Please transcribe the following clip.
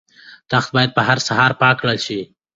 تخت باید په هره سهار پاک کړل شي.